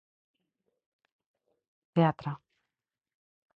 Teatre.